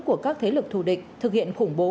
của các thế lực thù địch thực hiện khủng bố